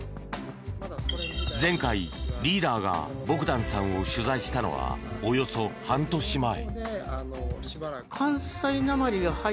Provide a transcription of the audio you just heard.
前回、リーダーがボグダンさんを取材したのは、およそ半年前。